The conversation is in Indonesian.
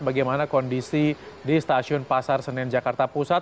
bagaimana kondisi di stasiun pasar senen jakarta pusat